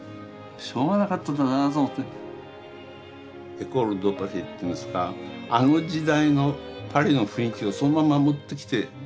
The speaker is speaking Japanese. エコール・ド・パリっていうんですかあの時代のパリの雰囲気をそのまま持ってきているような感じですね。